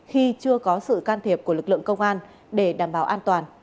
khi chưa có sự can thiệp của lực lượng công an để đảm bảo an toàn